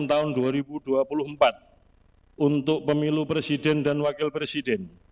tahun dua ribu dua puluh empat untuk pemilu presiden dan wakil presiden